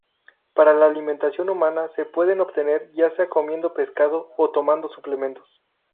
Para la alimentación humana se pueden obtener ya sea comiendo pescado o tomando suplementos.